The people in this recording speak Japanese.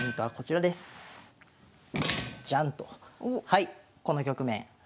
はいこの局面。